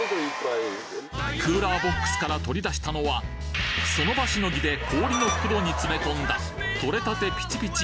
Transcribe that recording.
クーラーボックスから取り出したのはその場しのぎで氷の袋に詰め込んだとれたてピチピチ